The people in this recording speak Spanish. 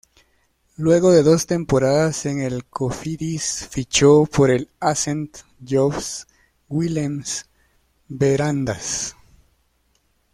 Luego de dos temporadas en el Cofidis fichó por el Accent Jobs-Willems Veranda´s.